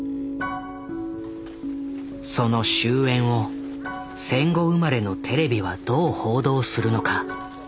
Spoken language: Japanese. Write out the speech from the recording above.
その終焉を戦後生まれのテレビはどう報道するのか。